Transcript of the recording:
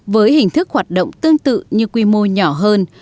với hình thức hoạt động tương tự như quy mô nhỏ hơn